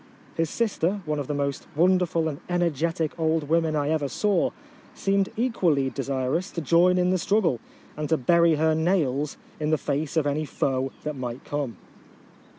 His sister, one of the most wonderful and energetic old women I ever saw, seemed equally desirous to join in the struggle, and to bury her nails in the face of any foe that might come